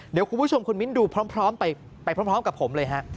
เดี๋ยวคุณผู้ชมคุณมิ้นดูพร้อมไปพร้อมกับผมเลยฮะ